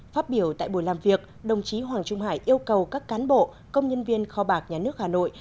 phát biểu tại buổi làm việc đồng chí hoàng trung hải yêu cầu các cán bộ công nhân viên kho bạc nhà nước hà nội